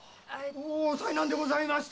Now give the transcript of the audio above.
災難でございましたね。